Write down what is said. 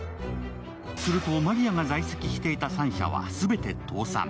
すると、まりあが在籍していた３社は全て倒産。